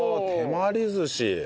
手まり寿司。